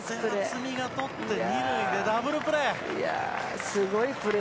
渥美が捕って、２塁でダブルプレー。